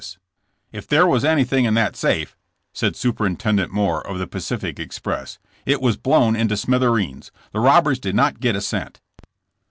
If there was anything in that safe,'^ said Super intendent Moore of the Pacific express, *'it was blown into smithereens! The robbers did not get a cent!"